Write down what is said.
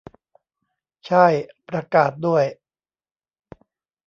ช่าย ประกาศด้วย